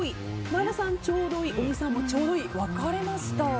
前田さん、ちょうどいい小木さんもちょうどいいと分かれました。